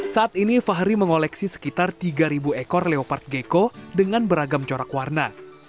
saat ini fahri mengoleksi sekitar tiga ekor leopard gecko dengan beragam corak warna